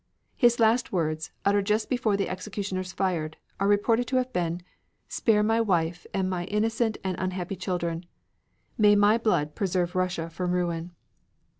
His last words, uttered just before the executioners fired, are reported to have been "Spare my wife and my innocent and unhappy children. May my blood preserve Russia from ruin."